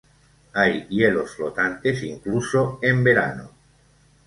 Hay hielos flotantes incluso en verano.